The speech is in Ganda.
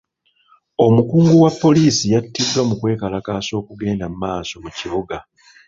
Omukungu wa poliisi yatiddwa mu kwekalakaasa okugenda maaso mu kibuga.